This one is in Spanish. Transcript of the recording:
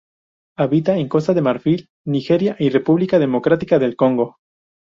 Habita en Costa de Marfil, Nigeria y República Democrática del Congo.